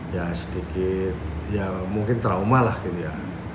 ya sedikit ya mungkin trauma lah gitu ya